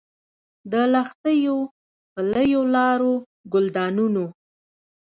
د لښتیو، پلیو لارو، ګلدانونو